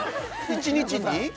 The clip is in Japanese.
１日に？